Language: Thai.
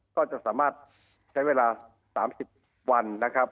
ก็จะสามารถใช้เวลา๓๐วัน